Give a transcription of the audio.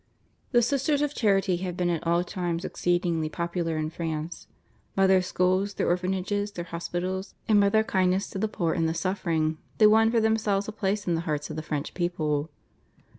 The Sisters of Charity have been at all times exceedingly popular in France. By their schools, their orphanages, their hospitals, and by their kindness to the poor and the suffering they won for themselves a place in the hearts of the French people.